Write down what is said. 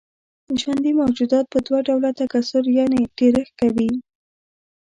ژوندي موجودات په دوه ډوله تکثر يعنې ډېرښت کوي.